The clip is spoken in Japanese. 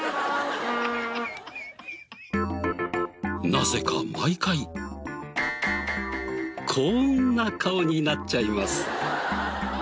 なぜか毎回こんな顔になっちゃいます。